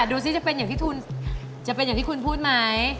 ๒ถึง๒๕ดูสิจะเป็นอย่างที่คุณพูดมั้ย